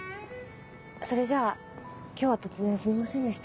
それじゃ今日は突然すみませんでした。